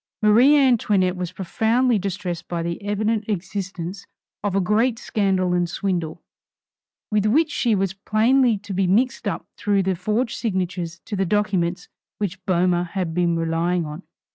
Marie Antoinette was profoundly distressed by the evident existence of a great scandal and swindle, with which she was plainly to be mixed up through the forged signatures to the documents which Boehmer had been relying on.